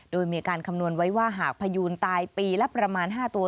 โดยมีการคำนวณไว้ว่าหากพยูนตายปีละประมาณ๕ตัว